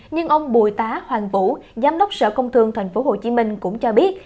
nhưng ông bùi tá hoàng vũ giám đốc sở công thương tp hcm cũng cho biết